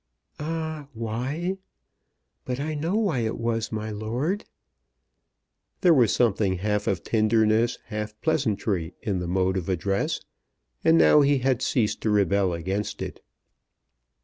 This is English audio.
"Ah, why? But I know why it was, my lord." There was something half of tenderness, half pleasantry in the mode of address, and now he had ceased to rebel against it.